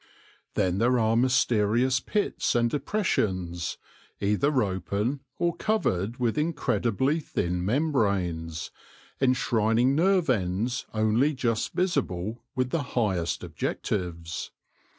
Then there are mysterious pits and depressions, either open or covered with incredibly thin membranes, enshrining nerve ends only just visible with the highest objectives.